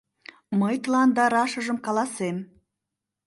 Мый тыланда рашыжым каласем.